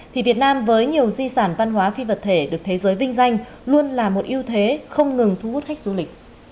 thì việt nam với nhiều di sản văn hóa phi vật thể được thế giới vinh danh luôn là một ưu thế không ngừng thu hút khách du lịch